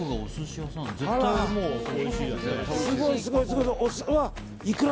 すごい！